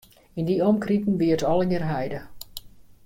Yn dy omkriten wie it allegear heide.